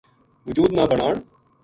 وجود نا بنان